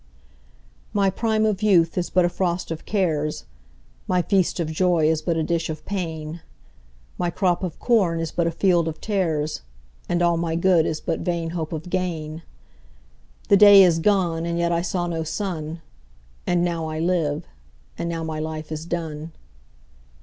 1My prime of youth is but a frost of cares,2My feast of joy is but a dish of pain,3My crop of corn is but a field of tares,4And all my good is but vain hope of gain.5The day is gone and yet I saw no sun,6And now I live, and now my life is done.